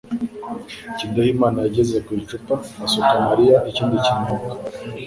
Jyendayimana yageze ku icupa asuka Mariya ikindi kinyobwa